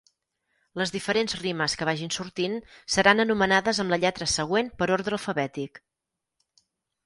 Les diferents rimes que vagin sortint seran anomenades amb la lletra següent per ordre alfabètic.